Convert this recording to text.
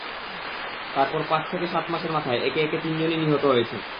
তারপর পাঁচ থেকে সাত মাসের মাথায় একে একে তিনজনই নিহত হয়েছেন।